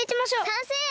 さんせい！